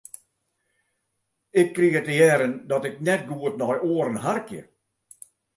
Ik krige te hearren dat ik net goed nei oaren harkje.